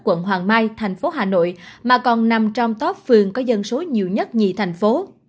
quận hoàng mai thành phố hà nội mà còn nằm trong top phường có dân số nhiều nhất nhì thành phố